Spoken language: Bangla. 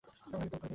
ওনাকে কল কর ভাইয়া।